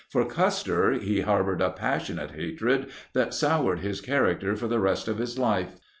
For Custer he har bored a passionate hatred that soured his character for the rest of his life.